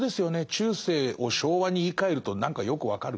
中世を昭和に言いかえると何かよく分かる。